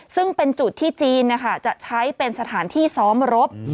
ซึ่งเป็นจุดที่จีนจะใช้เป็นสถานที่ซ้อมรบ